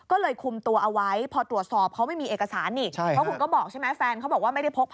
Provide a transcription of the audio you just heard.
ออกไป